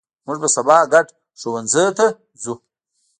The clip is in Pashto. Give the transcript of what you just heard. مونږ به سبا ګډ ښوونځي ته ځو